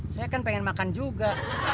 saya kan pengen makan juga